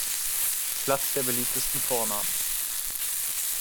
Platz der beliebtesten Vornamen.